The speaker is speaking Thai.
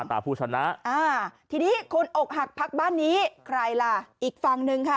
อาตาผู้ชนะทีนี้คุณอกหักพักบ้านนี้ใครล่ะอีกฟังนึงค่ะ